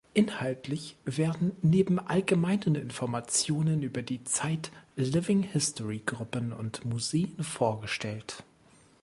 Inhaltlich werden neben allgemeinen Informationen über die Zeit Living History-Gruppen und Museen vorgestellt.